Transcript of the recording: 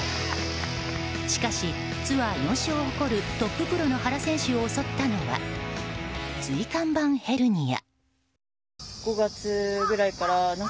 しかしツアー４勝を誇るトッププロの原選手を襲ったのは椎間板ヘルニア。